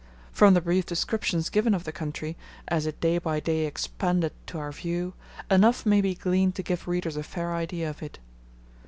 From the brief descriptions given of the country, as it day by day expanded to our view, enough may be gleaned to give readers a fair idea of it.